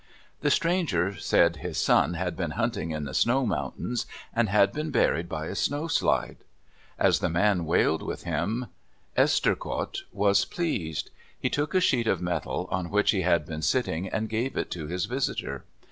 The stranger said his son had been hunting in the snow mountains and had been buried by a snowslide. As the man wailed with him, Esterreqot was pleased. He took a sheet of metal on which he had been sitting and gave it to his visitor.